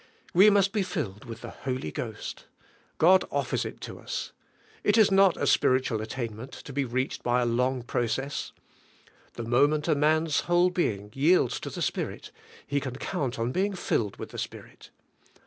We must be filled with the Holy Ghost. God offers it to us! It is not a spiritual attainment, to be reached by a long process. The moment a man's whole being yields to the Spirit he can count upon being filled with the Spirit.